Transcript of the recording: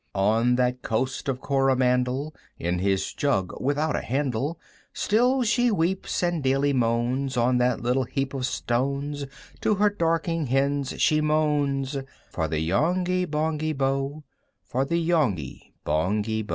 On that Coast of Coromandel, In his jug without a handle, Still she weeps, and daily moans; On that little heap of stones To her Dorking Hens she moans For the Yonghy Bonghy Bò, For the Yonghy Bonghy Bò.